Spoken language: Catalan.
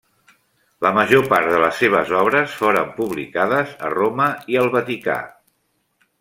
La major part de les seves obres foren publicades a Roma i el Vaticà.